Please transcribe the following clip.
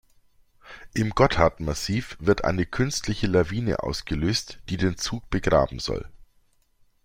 Im Gotthardmassiv wird eine künstliche Lawine ausgelöst, die den Zug begraben soll.